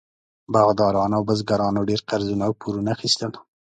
باغداران او بزګرانو ډېر قرضونه او پورونه اخیستل.